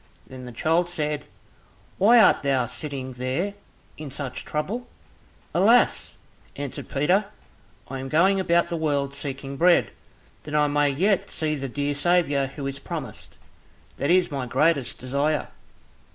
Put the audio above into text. Then the child said, "Why art thou sitting there in such trouble?" "Alas!" answered Peter, "I am going about the world seeking bread, that I may yet see the dear Saviour who is promised, that is my greatest desire."